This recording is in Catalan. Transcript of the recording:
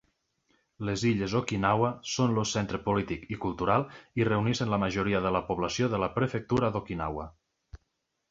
Les illes Okinawa són el centre polític i cultural i reuneixen la majoria de la població de la prefectura d'Okinawa.